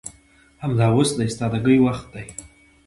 همدا اوس د استادګۍ وخت دى.